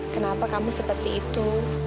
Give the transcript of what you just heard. kenapa kamu seperti itu